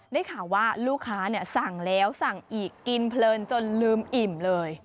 ได้ข่าวว่าลูกค้าสั่งแล้วสั่งอีกกินเพลินจนลืมอิ่มเลย